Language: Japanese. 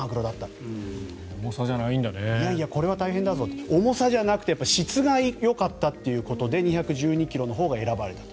いやいやこれは大変だぞと重さじゃなくて質がよかったということで２１２ｋｇのほうが選ばれたと。